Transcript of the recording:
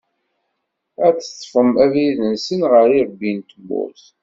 Ad d-ṭṭfen abrid-nsen ɣer yirebbi n tmurt.